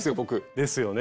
ですよね。